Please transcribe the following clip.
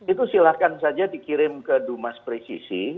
itu silahkan saja dikirim ke dumas presisi